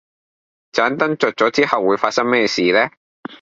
盏燈着咗之後會發生咩事呢